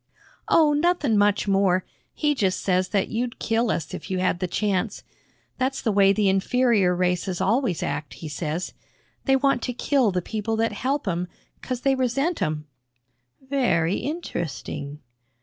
"Oh, nothin' much more. He just says that you'd kill us if you had th' chance. That's the way the inferior races always act, he says. They want to kill th' people that help 'em, 'cause they resent 'em." "Very interesting."